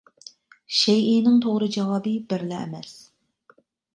شەيئىنىڭ توغرا جاۋابى بىرلا ئەمەس.